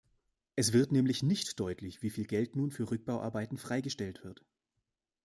Es wird nämlich nicht deutlich, wieviel Geld nun für Rückbauarbeiten freigestellt wird.